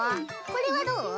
これはどう？